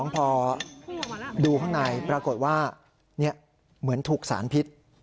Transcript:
พอดูข้างในปรากฏว่าเหมือนถูกสารพิษ